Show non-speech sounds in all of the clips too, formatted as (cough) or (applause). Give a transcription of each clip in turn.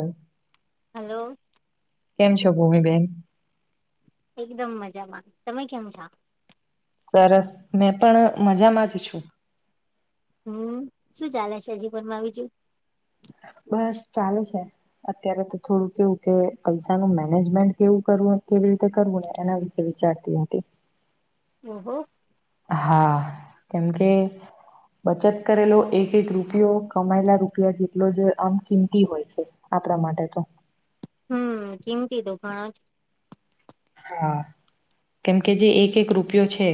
હા હલો કેમ છો ભૂમી બેેન એકદમ મજામાંની તમે કેમ છો સરસ મેં પણ મજામાં જ છું હમ શું ચાલે છે હજી પણ મા આવીજું બસ ચાલે છે અત્યારે તો થોડું કેવું કે પૈસા ન મેનેજમેન્ટ કેવું કરું કેવી રીતે કરવું ને એના વિશે વિચારતી હતી હો હો હા કેમ કે બચત કરેલો એક એક રૂપિયો કમાયેલા રૂપિયા જેટલો જ આમ કિંમતી હોય છે માત્ર માટે તો હમ ચિમતી તો ઘણો જ હા કેમ કે જે એક એક રૂપિયો છે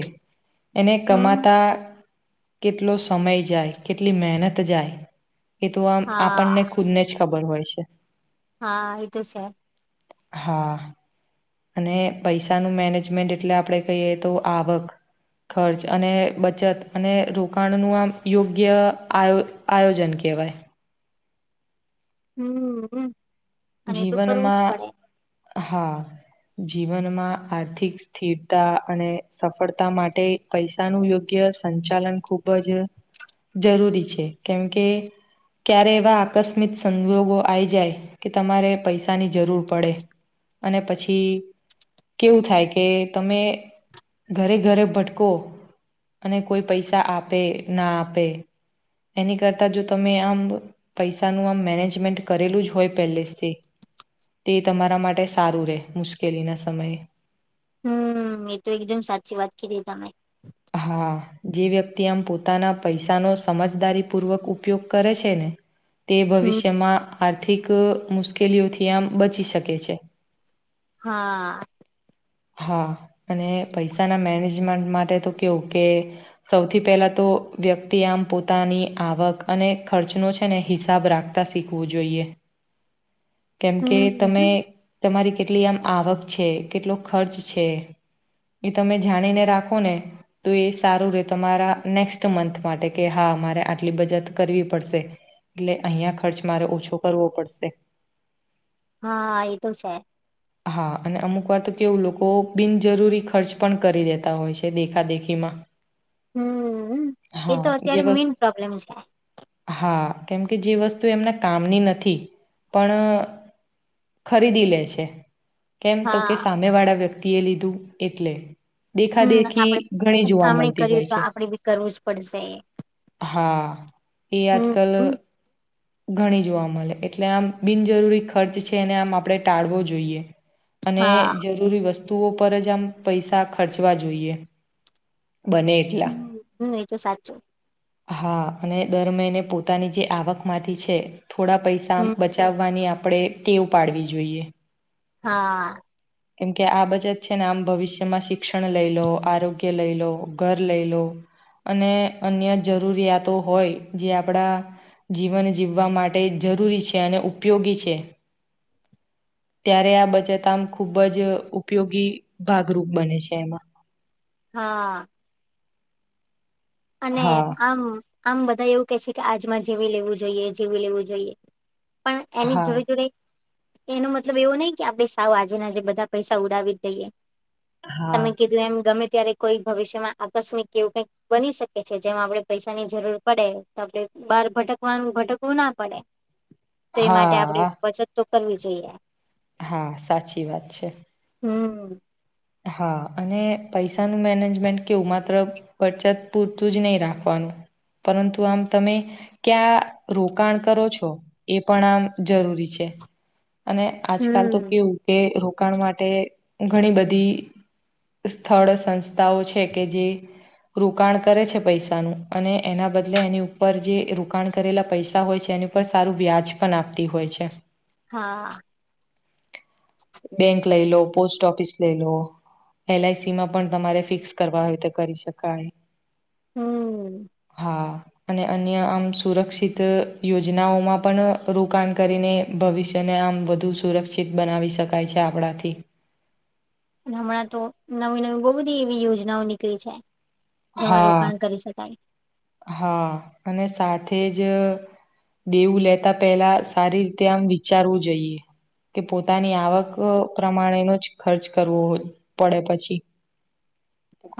એને હમ કમાતા કેટલો સમય જાય કેટલી મહેનત જાય એ તો આમ હા આપણને ખુદ ને જ ખબર હોય છે હા એ તો છે હા અને પૈસાનું મેનેજમેન્ટ એટલે આપડે કહીએ તો આવક ખર્ચ અને બચત અને રોકાણ નું આમ યોગ્ય આ આયોજન કે કેવાય હમ અને એ તો કરવું જ જીવનમાં પડે હા જીવનમાં આર્થિક સ્થિરતા અને સફળતા માટે પૈસા ન યોગ્ય સંચાલન ખૂબ જ જરૂરી છે કેમ કે ક્યારે એવા આકસ્મિક સંજોગો આઈ જાય કે તમારે પૈસાની જરૂર પડે અને પછી કેવું થાય કે તમે ઘરે ઘરે ભટકો અને કોઈ પૈસા આપે ના આપે એની કરતા જો તમે આમ પૈસાનું આમ મેનેજમેન્ટ કરેલું જ હોય પેલે થી તે તમારા માટે સારું રહેે મુશ્કેલી ના સમયે હમ એ તો એકદમ સાચી વાત કીધી તમે હા જે વ્યક્તિ આમ પોતાના પૈસાનો સમજદારી પૂર્વક ઉપયોગ કરે છે ને (inaudible) તે હમ ભવિષ્યમાં આર્થિક મુશ્કેલીઓથી આમ બચી શકે છે. હા. હા અને પૈસાના મેનેજમેન્ટ માટે તો કેવું કે સૌથી પહેલા તો તો વ્યક્તિ આમ પોતાની આવક અને ખર્ચનો છે ને હિસાબ રાખતા શીખવું જોઈએ. કેમ કે તમે હમ તમારી કેટલી આમ આવક છે કેટલો ખર્ચ છે એ તમે જાણીને રાખો ને તો એ સારું રે તમારા નેક્સ્ટ મંથ માટે કે હા મારે આટલી બચત કરવી પડશે. એટલે અહિયાં ખર્ચ મારે ઓછો કરવો પડશે. હા એ તો છે. હા અને અમુક વાર તો કેવું લોકો બિનજરૂરી ખર્ચ પણ કરી દેતા હોય છે દેખા દેખીમાં. હમ્મ એ તો હા જે અત્યારે વસ્ મેઈન પ્રોબ્લેમ છે. હા કેમકે જે વસ્તુ એમના કામની નથી પણ ખરીદી લે છે કેમ તો કે હા સામે વાળા વ્યક્તિ એ લીધું એટલે દેખા હમ દેખી આપડે ઘણી જોવા આમણે મળતી કર્યું હોય તો છે. આપડે બી કરવું જ પડશે હા એ અજકલ હમ ઘણી જોવા મળે એટલે આમ બિનજરૂરી ખર્ચ છે એને આમ આપડણે ટાળવો જોઈએ. અને હા જરૂરી વસ્તુઓ પર જ આમ પૈસા ખર્ચવા જોઈએ. બને એટલા. હમ્મ એ તો સાચું. હા અને દર મહિને પોતાની જે આવકમાંથી છે. થોડા પૈસા હમ બચાવવાની આપણે ટેવ પાડવી જોઈએ. હા. કેમ કે આ બજત છે ને આમ ભવિષ્યમાં શિક્ષણ લઈ લો આરોગ્ય લઈ લો ઘર લઈ લો. અને અન્ય જરૂરિયાતો હોય જે આપણા જીવન જીવવા માટે જરૂરી છે અને ઉપયોગી છે. ત્યારે આ બચત આમ ખુબ જ ઉપયોગી ભાગરૂપ બને છે એમાં. હા. અને હા આમ આમ બધા એવું કે છે કે આજમાં જેવી લેવું જોઈએ જેવું લેવું જોઈએ. પણ એની હા જોડે જોડે એનો મતલબ એવો નહી કે આપડે સાવ આજે ને આજે બધા પૈસા ઉડાવી જ દઈએ. હા તમે કીધું એમ ગમે ત્યારે કોઈ ભવિષ્યમાં આકસ્મિક કેવું કઈક બની શકે કે છે જેમાં આપડણે પૈસાની જરૂર પડે તો આપણે બહાર ભટકવાનું ભટકવું ના પડે. તો એ માટે હા આપણેે બચત તો કરવી જોઈએ. હા સાચી વાત છે. હમ્મ. હા અને પૈસાનું મેનેજમેન્ટ કેવું માત્ર વરચત પૂરતું જ નહીં રાખવાનું. પરંતુ આમ તમે ક્યાં રોકાણ કરો છો એ પણ આમ જરૂરી છે. અને આજકાલ તો હમ કેવું કે રોકાણ માટે ઘણી બધી સ્થળ સંસ્થાઓ છે કે જે રોકાણ કરે છે પૈસાનું અને એના બદલે એની ઉપર જે રોકાણ કરેલા પૈસા હોય છે. એની પર સારું વ્યાજ પણ આપતી હોય છે. હા. બેંક લઈ લો પોસ્ટ ઓફિસ લઈ લો. એલઆઈસી માં પણ તમારે ફિક્સ કરવા હોતે કરી શકાય. હમ હા. અને અન્ય આમ સુરક્ષિત યોજનાઓમાં પણ રોકાણ કરીને ભવિષ્યને આમ વધુ સુરક્ષિત બનાવી શકાય છે આપણાથી. હમણાં તો નવી નવી બહુ બધી એવી યોજનાઓ નીકળી છે. જેમાં હા રોકાણ કરી શકાય હા અને સાથે જ દેવું લેતા પહેલા સારી રીતે આમ વિચારવું જોઈએ. કે પોતાની આવક પ્રમાણેનો જ ખર્ચ કરવો પડે પછી. (inaudible)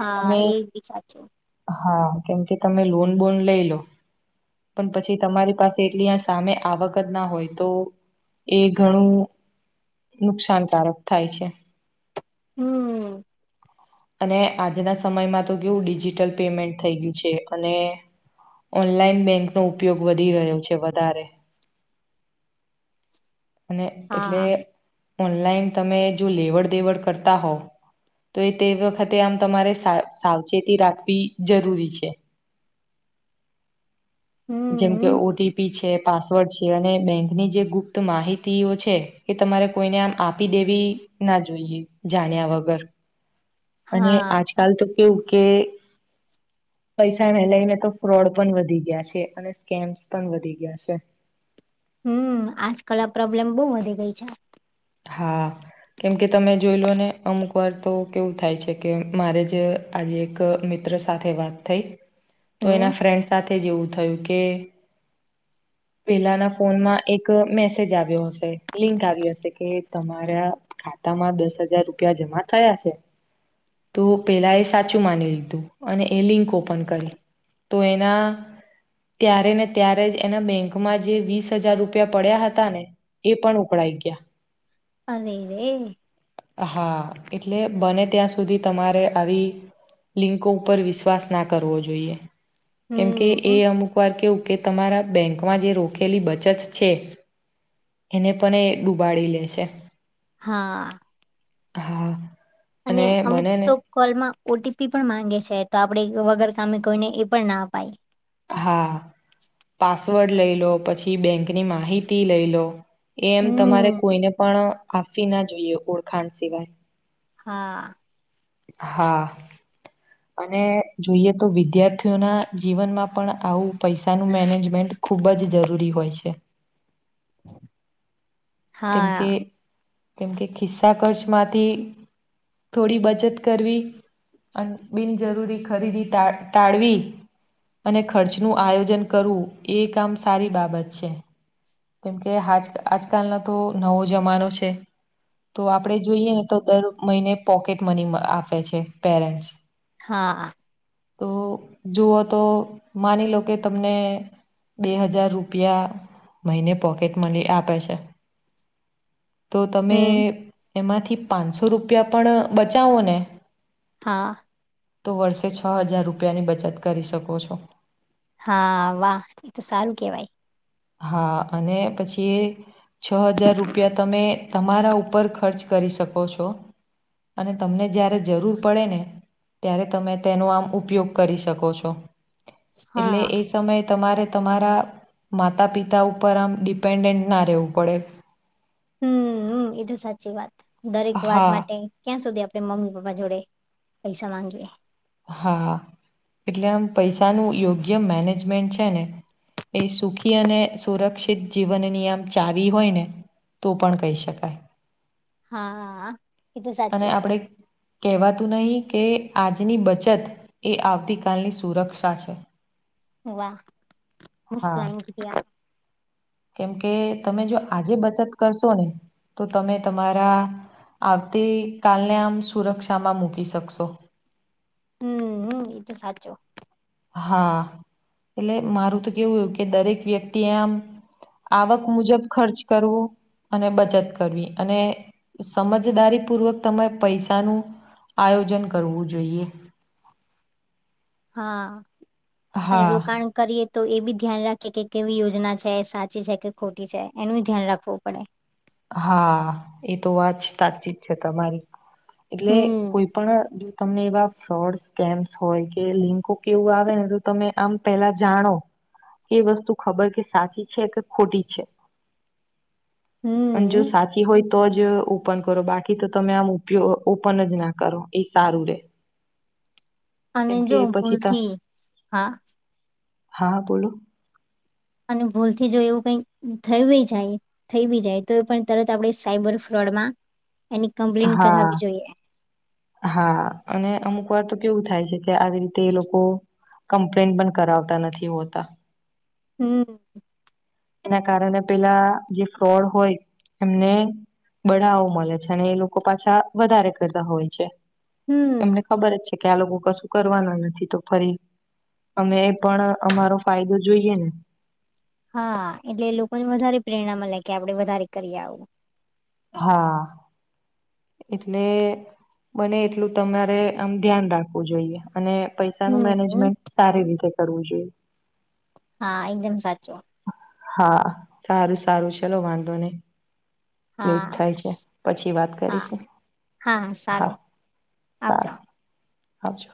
કે તમે એબી સાચું હા કેમકે તમે લોન બોન લઈલો પણ પછી તમારી પાસે એટલી સામે આવક જ ના હોય તો એ ઘણું નુકસાનકારક થાય છે હમ અને આજના સમયમાં તો કેવું ડિજિટલ પેમેન્ટ થઈ ગયું છે અને ઓનલાઈન બેંકનો ઉપયોગ વધી રહ્યો છે વધારે અને હા એટલે ઓનલાઈન તમે જો લેવડ દેવડ કરતા હોવ તો એ તે વખતે આમ તમારે સાવચેતી રાખવી જરૂરી છે જેમ કે હમ ઓટીપી છે પાસવર્ડ છે તે અને બેંકની જે ગુપ્ત માહિતીઓ છે એ તમારે કોઈને આમ આપી દેવી ના જોઈએ જાણ્યા વગર અને હા આજકાલ તો કેવું કે (inaudible) પૈસાને લઈને તો ફ્રોડ પણ વધી ગયા છે અને સ્કેમ્સ પણ વધી ગયા છે હમ આજકાલ આ પ્રોબ્લેમ બહુ વધી ગઈ છે હા કેમકે તમે જોઈ લો ને અમુક વાર તો કેવું થાય છે કે મારે જ આજે એક મિત્ર સાથે વાત થઈ તો હમ એના ફ્રેન્ડ સાથેવું થયું કે પેલાના ફોનમાં એક મેસેજ આવ્યો હશે લિંક આવી હશે કે તમારા ખાતા માં દસ હજાર રૂપિયા જમા થયા છે તો પેલા એ સાચું માની લીધું અને એ લિંક ઓપન કરી તો એના ત્યારે ને ત્યારે એના બેંકમાં જે વીસ હજાર રૂપિયા પડ્યા હતા ને એ પણ ઉપળાઈ ગયા અરે રે હા એટલે બને ત્યાં સુધી તમારે આવી લિંકો ઉપર વિશ્વાસ ના કરવો જોઈએ કેમકે એ હમ અમુક વાર કેવુ કે તમારા બેંકમાં જે રોકેલી બચત છે એને પણ એ ડુબાડી લે છે હા હા અને અમુક બને ને તો કોલમાં ઓટીપી પણ માંગે છે તો આપણેે વગર કામે કોઈને એ પણ ના આપાય હા પાસવર્ડ લઈલો પછી બેંકની માહિતી લઈલો એમ તમારે હમ કોઈને પણ આપવી ના જોઈએ ઓળખાણ સિવાય હા હા અને જોઈએ તો વિદ્યાર્થીઓના જીવનમાં પણ આવું પૈસાનું મેનેજમેન્ટ ખૂબ જ જરૂરી હોય છે (inaudible) કેમ કે હા કેમ કે ખિસ્સા ખર્ચમાંથી થોડી બચત કરવી અને બિનજરૂરી ખરીદી ટાળવી અને ખર્ચનું આયોજન કરવું એ કામ સારી બાબત છે કેમકેજ આજકાલનો તો નવો જમાનો છે તો આપડણે જોઈએ ને તો દર મહિને પોકેટ મની આપે છે પેરેન્ટ્સ હા તો જુઓ તો માની લો કે તમને બે હજાર રૂપિયા મહિને પોકેટ મળ આપે છે, તો તમે હમ એમાંથી પાંચસો રૂપિયા પણ બચાવો ને હા, તો વર્ષે છ હજાર રૂપિયાની બચત કરી શકો છો, હા, વાહ એ તો સારું કેવાય હા અને પછી છ હજાર રૂપિયા તમે તમારા ઉપર ખર્ચ કરી શકો છો, અને તમને જ્યારે જરૂર પડે ને ત્યારે તમે તેનો આમ ઉપયોગ કરી શકો છો, એટલે હા એ સમયે તમારે તમારા માતા પિતા ઉપર આમ ડિપેન્ડન્ટ ના રહેવું પડે હમ્મ હમ્મ એ તો સાચી વાત દરેક વાત હા, માટે ક્યાં સુધી આપ આપે મમ્મી પપ્પા જોડે પૈસા માંગુએ હા, એટલે આમ પૈસાનું યોગ્ય મેનેજમેન્ટ છે ને એ સુખી અને સુરક્ષિત જીવન નિયમ ચાવી હોય ને તો પણ કહી શકાય હા, એતો અને સાચું, આપણે કહેવાતું નહી કે આજની બચત એ આવતી કલની સુરક્ષા છે. વાહ હા. (inaudible) કેમ કે તમે જો આજે બચત કરશો ને તો તમે તમારા આવતી કાલને આમ સુરક્ષામાં મૂકી શકશો, હમ્મ હ એ તો સાચું હા, એટલે મારું તો કેવુંયું કે દરેક વ્યક્તિએ આમ આવક મુજબ ખર્ચ કરવો અને બચત કરવી અને સમજદારી પૂર્વક તમે પૈસાનું આયોજન કરવું જોઈએ, હા, અને હા રોકાણ કરીએ તો એ બી ધ્યાન રાખીએ કે કેવી યોજના છે સાચી છે કે ખોટી છે, એનું ધ્યાન રાખવું પડે હા, એ તો વા જ સાચી જ છે તમારી, એટલે હમ કોઈ પણ તમે એવા ફ્રોડ સ્કેમ્સ હોય કે લિંકો કેવું આવે ને તો તમે આમ પેલા જાણો એ વસ્તુ ખબર કે સાચી છે કે ખોટી છે, અને જો હમ સાચી હોય તો જ ઓન કરો બાકી તો તમે આમ ઓપન જ ના કરો એ સારું રે અને કેમ કે જો પછી ત ભૂલથી હા, હા, બોલો અને ભૂલથી જો એવું કઈ થય બી જાય થઈ બી જાય તો એ પણ તરત આપડ સાયબર ફ્રોડ માં હા હા અને અમુક વાર તો કેવું થાય છે, કે આવી રીતે એ લોકો કમ્પ્લેન પણ કરાવતા નથી હોતા. હમ્મ એના કારણે પેલા જે ફ્રોડ હોય એમને બડાવો મળે છે, અને એ લોકો પાછા વધારે કરતા હોય છે, એમને હમ ખબર જ છે કે આ લોકો કશું કરવાના નથી તો ફરી અમે એ પણ અમારો ફાયદો જોઈએ ને હા, એટલે લોકોને વધારે પ્રેરણા મળે કે આપડે વધારે કરી આવું. હા, એટલે બને એટલું તમારે આમ ધ્યાન રાખવું જોઈએ. અને પૈસાનું હમ મેનેજમેન્ટ સારી રીતે કરવું જોઈએ, હા એકદમ સાચું હા સારું સારું ચલો વાંધો નહી એ જ હા થાય છે સ- પછી વાત હા કરીશું હા આવજ હાજો